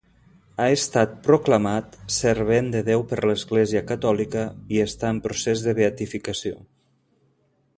Ha estat proclamat servent de Déu per l'Església catòlica, i està en procés de beatificació.